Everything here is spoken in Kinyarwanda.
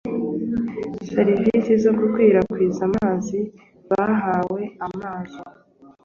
serivisi zo gukwirakwiza amazi bahawe amezi